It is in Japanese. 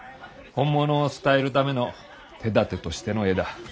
本物を伝えるための手だてとしての絵だ。